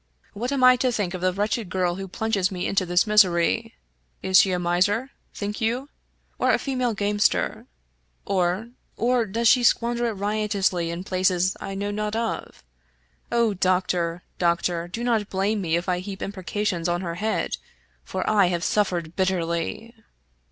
What am I to think of the wretched girl who plunges me into this misery? Is she a miser, think you? — or a female gamester? — or — or — does she squander it riotously in places I know not of? O Doctor, Doctor! do not blame me if I heap imprecations on her head, for I have suffered bitterly